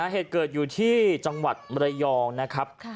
เหตุเกิดอยู่ที่จังหวัดมรยองนะครับ